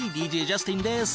ＤＪジャスティンです。